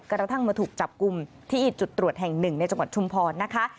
กระทั่งมาถูกจับกลุ่มที่จุดตรวจแห่งหนึ่งในจังหวัดชุมพรนะคะ